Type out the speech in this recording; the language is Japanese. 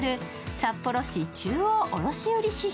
札幌市中央卸売市場。